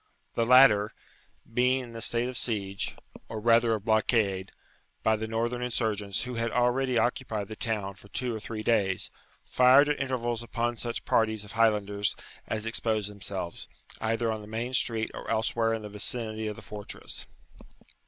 The latter, being in a state of siege, or rather of blockade, by the northern insurgents, who had already occupied the town for two or three days, fired at intervals upon such parties of Highlanders as exposed themselves, either on the main street or elsewhere in the vicinity of the fortress.